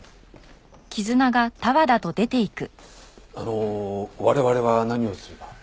あの我々は何をすれば？